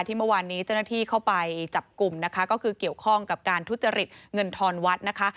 ที่เมื่อวานนี้เจ้าหน้าที่เข้าไปจับกลุ่มนะคะก็คือเกี่ยวข้องกับการทุจริตเงินทอนวัดนะคะ